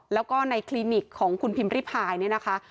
แล้วก็ในคลินิกของคุณพิมพิพายเนี่ยนะคะ